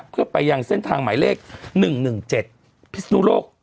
เพื่อไปยังเส้นทางหมายเลขหนึ่งหนึ่งเจ็ดพิสนุโรค